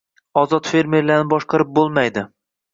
Ozod fermerlarni boshqarib bo‘lmaydi